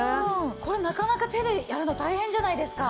これなかなか手でやるの大変じゃないですか。